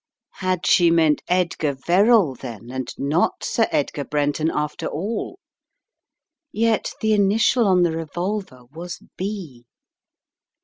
Had she meant Edgar Verrall then, and not Sir Edgar Brenton after all? Yet the initial on the re volver was B.